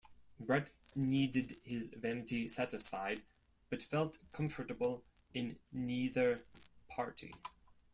Brett needed his vanity satisfied but felt comfortable in neither party.